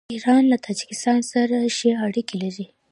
ایران له تاجکستان سره ښې اړیکې لري.